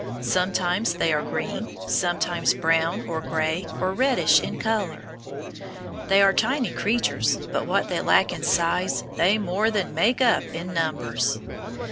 Sometimes they are green, sometimes brown, or gray, or reddish, in color. They are tiny creatures, but what they lack in size they more than make up in numbers.